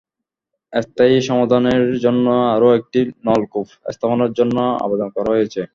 স্থায়ী সমাধানের জন্য আরও একটি নলকূপ স্থাপনের জন্য আবেদন করা হয়েছে।